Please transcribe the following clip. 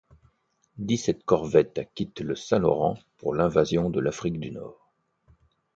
Dix-sept corvettes quittent le Saint-Laurent pour l'invasion de l'Afrique du Nord.